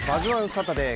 サタデー